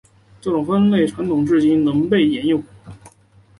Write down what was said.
这种分类传统至今仍被沿用。